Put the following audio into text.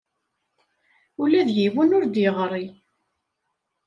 Ula d yiwen ur d-yeɣri.